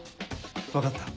分かった。